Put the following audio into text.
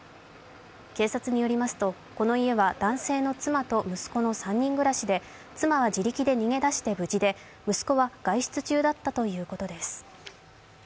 警察によりますと、この家は男性の妻と息子の３人暮らしで妻は自力で逃げ出して無事で息子は外出中だったということです。